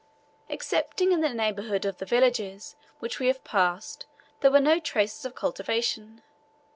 Excepting in the neighbourhood of the villages which we have passed there were no traces of cultivation.